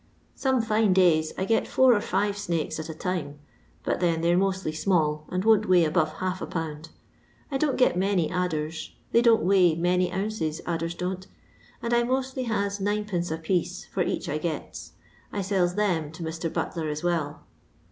Some fine days I get four or five snakes at a time ; but then they 're mostly small, and won't weigh above half a pound. I don't get many adders — they don't weigh many ounces, adders don't — and I mostly has 9d. a piece for ench I gets. I sells ih^m to Mr. Butler as well.